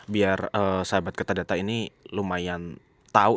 biar sahabat ketadata ini lumayan tau